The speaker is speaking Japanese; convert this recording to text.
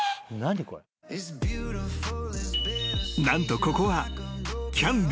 ［何とここは］